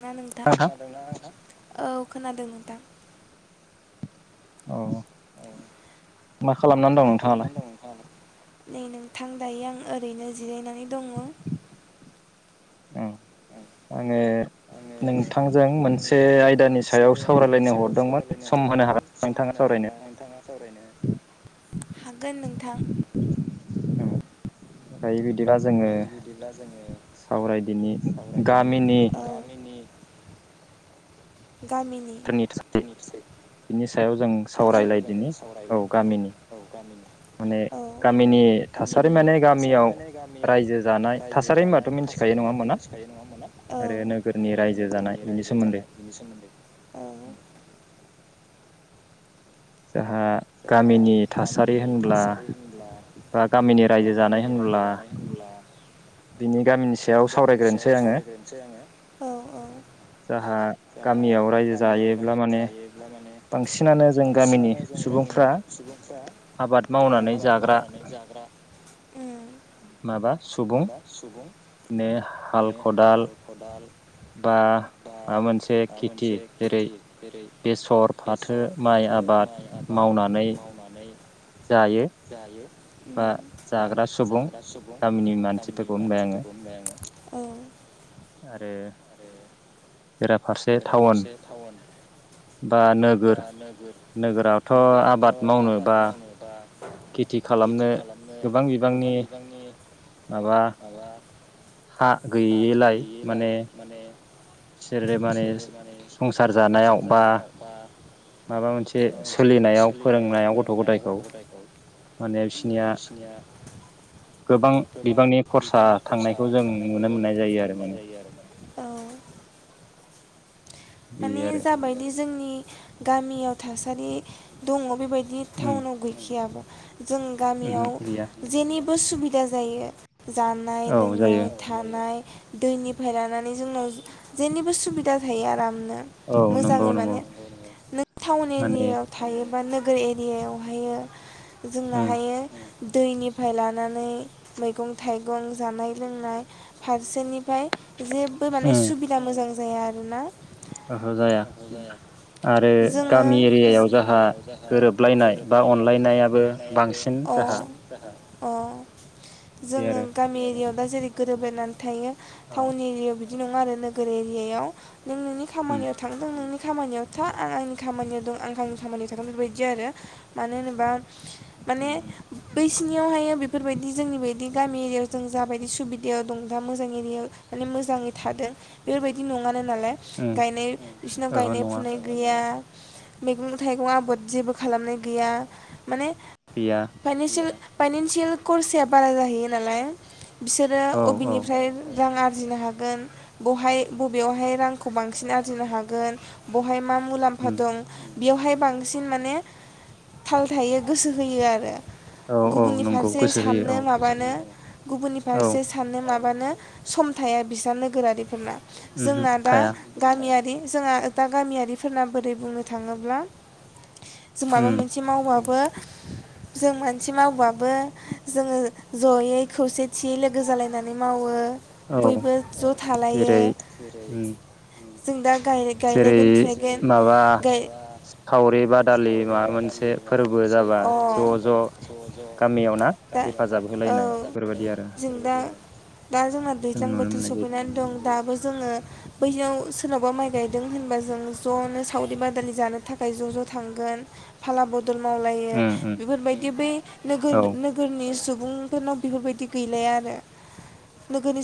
[unintelligible] नोंथा नोंथां खोनादोंना नोंथां औ। खोनादों नोथां। औ। मा खालामनान दं नोंथाङालाय? नै नोंथां दायो आं ओरैनो जिरायनानै दङ। औ आङो नोंथां नोंथांजों मोनसे आयदानि सायाव हरदोंमोन सावरायलायनो सम होनो हरदोंमोन हागोन सम नोंथाङा होनो सावरायनो हागोन नोंथाङा सावरायनो हागोन नोंथां। दायो बि दिबा जोङो सावरायदिनि। सावरायदिनि औ गामिनिफोरनि गामिनि थोरनि नि थाखोय बिनि सायाव जों। जों सावरायलायदिनि औ सावरायलायदिमोन गामिनि औ गामिनि माने औ माने गामिनि थासारि गामिनि माने थासारि गामियाव माने गामियाव रायजो जानाय रायजो थासारि जानाय होनबाथ' मिथिखायो थासारि नङा होमथ' होमबाना मिथिखायो नङा होमबाना औ आरो नोगोरनि आरो रायजो नोगोरनि रायजो जानाय बिनि सोमोन्दै। उम। जोहा गामिनि थासारि होनब्ला बा गामिनि रायजो जानाय होनब्ला बिनि गामिनि सायाव सावरायग्रोनोसै आङो जोहा गामियाव रायजो जायोब्ला माने बांसिनानो जों गामिनि सुबुं नि सुबुंफ्रा औ आबाद जाग्रा मावनानै जाग्रा उम माबा दिनो हाल खदाल बा मा मोनसे खेथि जेरै। बेसर फाथो माइ आबाद मावनान मावनानै जायो। उम बा दा जाग्रा सुबुं जाग्रा सुबुं गामिनि गामिनि मानसिफोरखौ होनबाय आङो मानसिफोरखौ औ आरो आरो बेराफारसे टाउन बा नोगोर नोगोरावथ' आबाद मावनो बा खेथि खालामनो गोबां बिबांनि माबा माबा हा हा गैयैलाय गैयिलाय माने माने बिसोरो माने जानायाव संसार बा जानायाव बा माबा मोनसे माबा मोनसे सोलिनायाव फोरोंनायाव गथ' फोरोंनायाव गथ' गथायखौ माने बिसिनिया गोबां बिबांनि खरसा बिबांनि खरसा थांनायखौ जों थांनायखौ जों मोननाय जायो नुनो आरो मोननाय माने जायो आरो माने बेयो आरो उम जाबायदि जोंनि गामियाव थासारि दङ बेबायदि बि उमहो टाउनाव गैखयाबो । जों गामियाव गैया जेनि उसुबिदा जायो। जानाय, औ जायो लोंनाय, थानाय दैनिफ्राय लानानै जोंनाव जेनिबो सुबिदा थाया। औ नंगौ मोजाङै नंगौ माने नों टावनि माने नियाव थायोब्ला बा नोगोर एरियाायावहाय जोंना उम हायो दैनिफ्राय लानानै मैगं थाइगं जानाय लोंनाय फारसेनिफ्राय जेबो माने सुबिदा मोजां जाया आरोना बेहजाया आरो जोङो गामि एरियायाव जोंहा गोरोबलायनाय बा अनलायनायाबो बांसिन अ जोंहा अ जोङो गामि एरिया दा जेरै गोरोबलायनानै थायो। औ थाउउन एरियाव बेफ बिदि नङा आरो नोगोर एरियाया। नों नोंनि उम खामानियाव थांदों नोंनि खामानियाव था आं आंनि खामानियाव दं आं गावनि खामानियाव थागोन बेफोरबायदि आरो मानो होनोबा माने उम उम बै बिसिनियावहायो बेफोरबायदि जोंनि बायदि गामि एरियायाव जों जाबायदि सुबिदायाव दं दा मोजां एरियायाव माने मोजाङै थादों बेफोरबायदि नङानो नालाय उम गायनाय बिसिनाव ओहो गायनाय नङा फुनाय गैया मैगं थाइगं आबाद जेबो खालामनाय गैया माने गैया फाइनेन्सियेल फाइनन्सियेल करसाया बारा जाहैयो नालाय। बिसोरो औ औ अबेनिफ्राय रां आर आरजिनो हागोन बहाय बबेयावहाइ रां खौ बांसिन आरजिनो हागोन बहाय मा मुलाम्फा उम दं बेयावहाय बांसिन माने थाल थायो गोसो होयो आरो औ औ गुबुननि नंगौ फारसे गोसो होयो औ साननो माबानो गुबुननि औ फारसे साननो माबानो सम थाया बिस्रा नोगोरारिफोरना उमहु जोंना दा थाया गामियारि जोंहा दा गामियारिफोरना बोरै बुंनो थाङोब्ला जों उम माबा मोनसे मावबाबो जों मानसि मावबाबो जोङो जयै खौसेथियै लोगो जालायनानै मावो औ बयबो ज' थालायो जेरै उम जों दा जेरै गायलायगोन फुलायगोन माबा गाय सावरि बादालि माबा मोनसे फोरबो जाबा ज' ज' गामियाव ना हेफाजाब होलायनाय बेफोरबायदि आरो दा जोंहा जों दैज्लां नुनो बोथोर मोननाय जायो सफैनानै दं दाबो जो जोङो बैयाव सोरनावबा माइ गायदों होनबा जों ज'नो सावरि बादालि जानो थाखाय ज' ज' थांगोन फाला बद दल मावलायो उम उम बेफोरबायदि बै औ नोगोरन-नोगोरनि सुबुं सुबुंफोरनाव बेफोरबायदि गैलाया आरो नोग गोरनि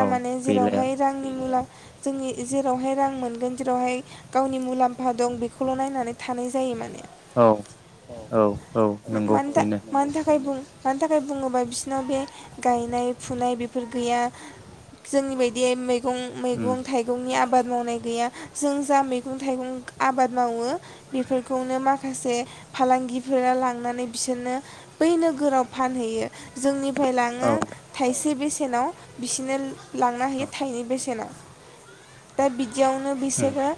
औ माने गैलाया जेरावहाय रांनि मुला जोंनि जेरावहाय रां मोनगोन जेरावहाय गावनि मुलाम्फा दं बेखौल' नायनानै थानाय जायो माने औ औ औ नंगौ मानि था बेनो। मानि थाखाय बुं मानि थाखाय बुङोबा बिसोनाव बे गायनाय फुनाय बेफोर गैया जोंनि बायदि मै गं उम मैगं नि आबाद मावनाय गैया जों जा मैगं थाइगं आबाद मावो बेफोरखौनो माखासे फालांगिफोरा लांनानै बिसोरनो बै नोगोराव फानहैयो जोंनिफाय औ लाङो थाइसे बेसे नाव बिसोनो लांना औ होयो थाइनै बेसेनाव। दा बि दियावनो उम बिसोरो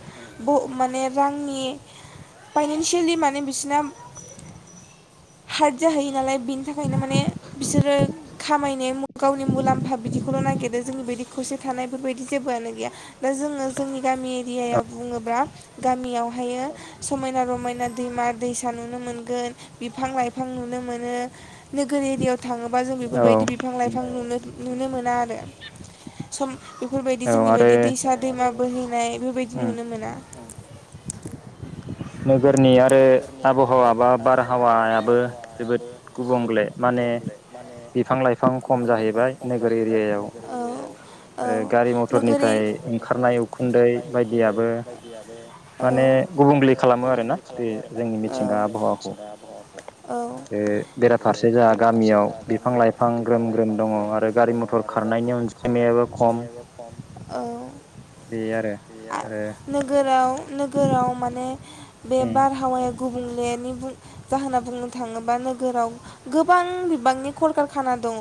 ब माने रांनि पाइनेन्सियेलि माने बिसिना हार्ड जाहोयो नालाय बिनि थाखायनो माने बिसोरो खामायनाय मु गावनि मुलाम्फा बिदिखौल' नागिरो जोंनि बायदि खौसे थानायफोरबायदि जेबोआनो गैया नो जोङो जोंनि गामि एरियाव बुङोब्ला गामियावहायो समायना रमायना दैमा दैसा नुनो मोनगोन बिफां लाइफां नुनो मोनो नोगोर एरियाव थाङोबा जों औ बेफोरबायदि बिफां उम लाइफां नुनो नुनो मोना आरो सम बेफोरबायदि औ जोंनि बाय आरो दि दैसा दैमा बोहैनाय बेबायदि उम नुनो मोना। नोगोरनिया नोगोरनि आरो आबहावा बा जोबोद बारहावायाबो जोबोद गुबुंले माने गुबुंग्ले माने बिफां लाइफां खम बिफां लाइफां जाहैबाय खम नोगोर जाहैबाय एरियायाव नोगोर औ औ आरो गारि नोगोर मथरनिफ्राय एरि--नोगोरनिफ्राय ओंखारनाय उखुन्दै ओंखारनाय उखुन्दै बायदियाबो बायदियाबो औ माने मो आरोना बे जोंनि मिथिंगा आबहावाखौ बे बेराफारसे जाहा गामियाव बिफां लाइफां ग्रोम ग्रोम दङ आरो गारि मथर खारनायनि अनायमायाबो खम। औ बे आरो आरो नोगोराव नोगोराव माने बे उम बार [unintelligible] गुबुंलेनि बुं जाहोना बुंनो थाङोबा नोगोराव गोबां बिबांनि खरकारखाना दङ।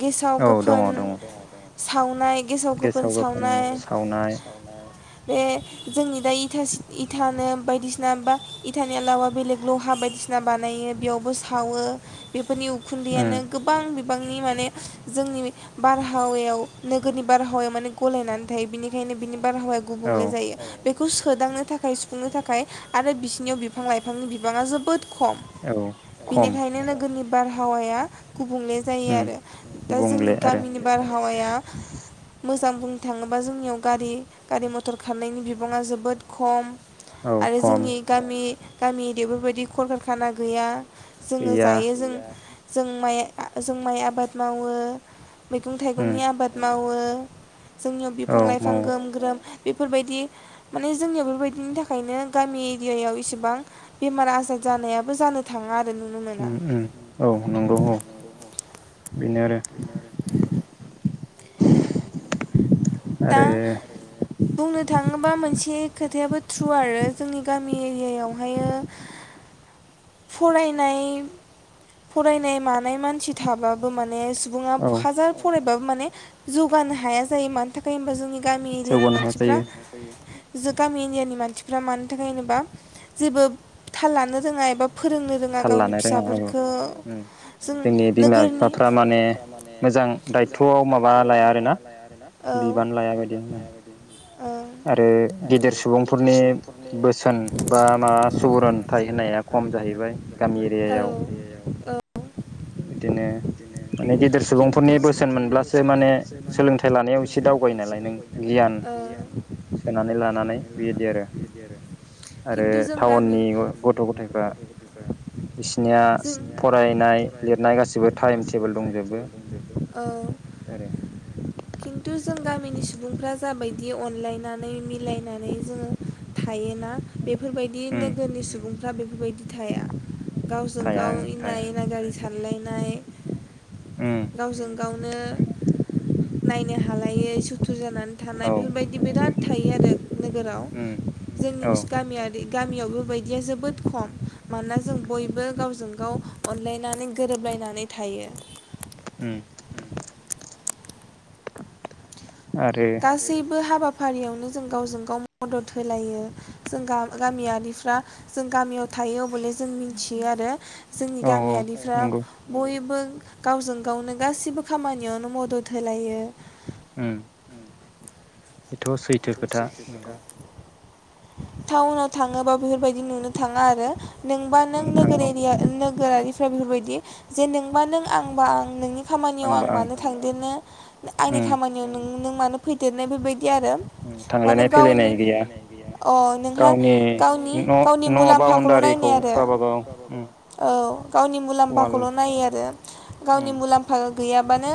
गेसाव गोफोन औ दङ दङ। सावनाय गेसाव गोफोन सावनाय--गेसाव गोफोन सावनाय। बे जोंनि दा इथा सि इथानो बायदिसिन ना बा इथानि आलावा बेलेग ल'हा बायदिसिना बानायो बेयावबो सावो बे फोरनि उखुन्दैयनो उम गोबां बिफ बांनि माने जोंनि बारहावायाव नोगोरनि बारहावायाव माने गलायनानै थायो बिनिखायनो बिनि बारहावाया औ गुबुंले जायो औ। बेखौ सोदांनो थाखाय सुफुंनो थाखाय आरो बिसिनियाव बिफां लाइफांनि बिबाङा जोबोद खम औ खम बिनिखायनो नोगोरनि बारहाव हावाया गुबुंले जायो उम आरो दा जोंनि गुबुंले आरो गामिनि बारहावाया मोजां बुंनो थाङोबा जोंनियाव गारि गारि मथर खारनायनि बिबाङा जोबोद खम औ आरो खम जोंनि गामि गामि दिफोरबायदि खलकारखाना गैया जोङो गैया जायो जों जों माइ आ जों माइ आबाद मावो। मैगं उम थाइगंनि आबाद मावो । ओ जोंनियाव औ बिफां लाइफां मावो ग्रोम ग्रोम बेफोरबायदि माने जोंनिया बेफोरबायदिनि थाखायनो गामि एरियायाव इसेबां बेमार आजार जानायाबो जानो थाङा आ ओम ओम औ नंगौ औ बेनो आरो। दा आरो बुंनो थाङोबा मोनसे खोथायाबो थ्रु आरो जोंनि गा मि एरियायावहायो फरायनाय फरायनाय मानाय मानसि थाब्लाबो माने सुबुं बुङा औ हाजार फरायबाबो माने जौगानो हाया जायो मान थाखाय होनबा जोंनि गामि एरियानि जौगानो हाया मानसिफ्रा जायो जों गामि एरियानि मानसिफ्रा मानो थाखाय होनोबा जेबो थाल लानो रोङा एबा फोरोंनो रोङा थाल गावनि लानो रोङा औ फिसाफोरखो, उम जों जोंनि बिमा नोगोरनि बिफाफ्रा माने मोजां दायथ'आव माबा लाया आरोना औ बिबान लायाबायदि ओं ओं आरो गेदेर सुबुंफोरनि बोसोन बा माबा सुबुरुनथाइ होनाया खम जाहैबाय गामि एरियायाव। बिदिनो माने गेदेर सुबुंफोरनि खिन्थु बोसोन मोनब्लासो माने सोलोंथाइ लानायाव एसे दावबायनालाय नों गियान ओ सोनानै लानानै बेदि आरो। आरो खिन्थु जों गामि टाउननि गथ' ग'थायफ्रा बिसिनिया फरायनाय लिरनाय गासैबो टाइम टेबोल दंजोबो आरो टु जों गामिनि सुबुंफ्रा जाबायदि अनलायनानै मिलायना नै जोङो थायोना, बेफोरबायदि उम नोगोरनि सुबुंफ्रा बेफोरबायदि थाया। गावजों थाया गाव ओं एना थाया एनागारि सारलायनाय उम गावजों गावनो खालायै सुथु थुर जानानै थानाय औ बेफोरबायदि बिराद थायो आरो नोगोराव उम जोंनि औ गामियारि गाम गामियाव बेबायदिया जोबोद खम मानोना जों बयबो गावजों गाव अनलायनानै गोरोबलायनानै थायो। उम। आरो गासैबो हाबा फारियावनो जों गावजों गाव मदद होलायो जों गा-गामियारिफ्रा जों गामियाव थायो अबले जों मिथियो आरो। जोंनि औ औ गामियारिफ्रा नंगौ बयबो गावजों गावनो गासिबो खामानियावनो मदद होलायो। उम। बेथ' सैथो खोथा नंगौ। टाउनाव थाङोबा बेफोरबायदि नुनो थाङा आरो। नोंबा नों नुनो थाङा नोगोर औ एरिया नोगोरारिफो जेन बेफोरबायदि जे नोंबा नों आंबा आं नोंनि खामानियाव आं मानो थांदेरनो आंनि उम खामानियाव नों नों मानो फैदेरनाय बेबायदि आरो। उम माने थांलायनाय गावनि फैलायनाय गैया अ नोंहा गावनि न' गावनि न' मुलाम्फाखौल' बाउणडारिखौ नायनाय आरो गावबागाव उम औ गावनि वाल मुलाम्फाखौल' नायो आरो गावनि उम मुलाम्फा गैयाबानो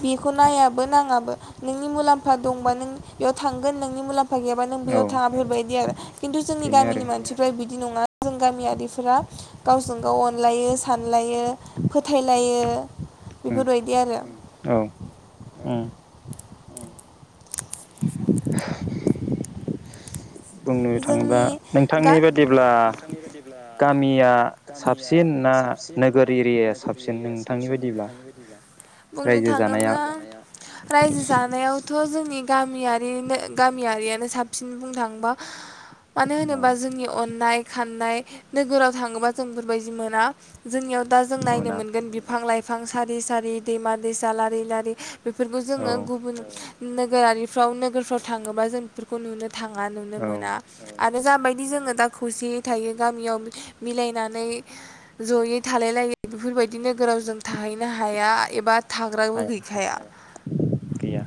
बेखौ नायाबो नाङाबो नोंनि मुलाम्फा दंबा नों बेयाव थांगोन नोंनि मुलाम फा गैयाबा नों औ बेयाव थाङा बेफोरबायदि आरो खिन्थु जोंनि बेनो गामिनि आरो मानसिफ्रा बि बिदि नङा जों गामियारिफोरा गावजों गाव अनलायो। सानलायो फोथायलायो। [inaudible] उम बेफोरबायदि आरो। औ उम [inaudible] बुंनो थाङोब्ला जोंनि गा नोंथांनि बायदिब्ला गामिया साबसिन ना नोगोर एरियाया साबसिन नोंथांनि बायदिब्ला बुंनो रायजो जानाया थाङोब्ला रायजो जानायावथ' जोंनि गामियारिनो गामियारियानो साबसिन बुंनो थाङोबा। मानो होनोबा जोंनि अननाय खाननाय नोगोराव थाङोबा जों बेफोरबायदि मोना। जोंनियाव दा जों नायनो मोना मोनगोन बिफां लाइ बिफां सारि सारि दैमा दैसा लारि लारि बेफोरखौ औ जोङो गुबुन नोगोरारिफ्राव नोगोरफ्राव थाङोबा जों बेफोरखौ नुनो थाङा। औ मोना आरो जाबायदि जोङो दा खौसेयै थायो गामियाव मिलायनानै जयै थालाय लायो बेफोरबायदि नोगोराव जों थाहैनो हाया एबा थाग्राबो गैखाया [unintelligible] गैया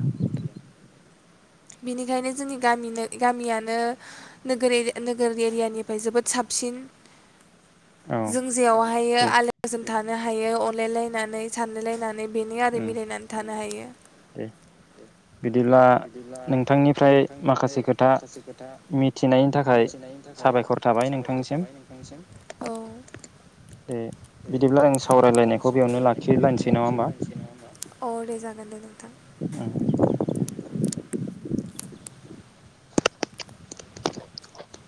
बेनिखायनो जोंनि गामिनो गामियानो नोगोर एरिया नोगोर एरियानिफ्राय जोबोद साबसिन औ जों जेयावहायो दे आलो गोजोन थानो हायो अनलायलायनानै सानलायलायनानै बेनो आरो उम मिलायनानै थानो हायो दे बिदिब्ला बिदिब्ला नोंथांनिफ्राय नोंथांनिफ्राय माखासे खोथा माखासे खोथा मिथिनायनि थाखाय मिथिनायनि थाखाय साबायखर थाबाय साबायखर नोंथांनिसिम थाबाय नोंथांनिसिम दे दे बिदिब्ला आं बिदिब्ला आं सावरायलायनायखौ बेयावनो सावरायलायनायखौ बेयावनो लाखिलायनोसै नङा लाखि होमबा लसै नङा होमबा औ दे जागोन दे उम